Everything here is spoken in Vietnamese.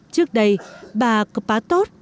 trước đây bà cô pá tốt